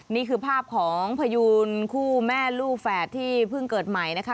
นี่คือภาพของพยูนคู่แม่ลูกแฝดที่เพิ่งเกิดใหม่นะคะ